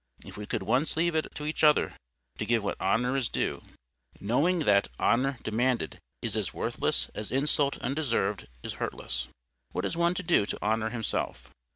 If we could once leave it to each other to give what honour is due; knowing that honour demanded is as worthless as insult undeserved is hurtless! What has one to do to honour himself?